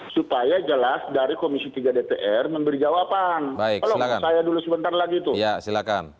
supaya jelas dari komisi tiga dpr memberi jawaban tolong saya dulu sebentar lagi tuh silakan